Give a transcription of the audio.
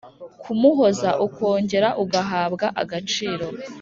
kumuhoza ukongera ugahabwa agaciro.